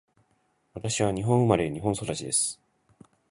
私は日本生まれ、日本育ちです。